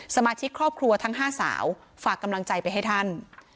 สมาชิกครอบครัวทั้ง๕สาวฝากกำลังใจไปให้ท่าน